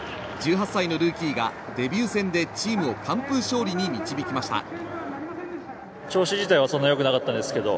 １８歳のルーキーがデビュー戦でチームを完封勝利に導きました。